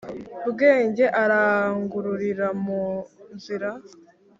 bwenge arangururira mu nzira,